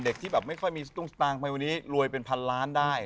เด็กที่ไม่ค่อยมีตรงสตางค์มาวันนี้รวยเป็นพันล้านได้